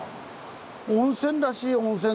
温泉らしい温泉ですね。